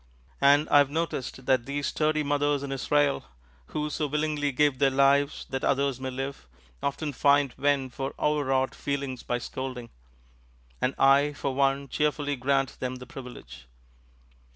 And I have noticed that these sturdy mothers in Israel, who so willingly give their lives that others may live, often find vent for overwrought feelings by scolding; and I, for one, cheerfully grant them the privilege.